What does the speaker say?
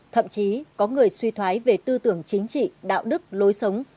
thậm chí có người suy thoái về tư tưởng chính trị đạo đức lối sống